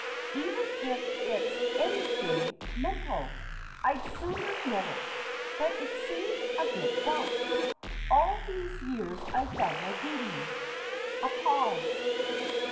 Even if it's anything mental, I'd sooner know it. But it seems a bit rough. All these years I've done my duty. (A pause.)